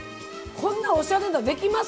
こんなおしゃれなんできます？